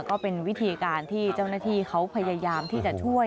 ก็เป็นวิธีการที่เจ้าหน้าที่เขาพยายามที่จะช่วย